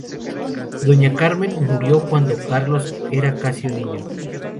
Doña Carmen murió cuando Carlos era casi un niño.